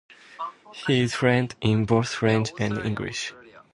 He is fluent in both French and English.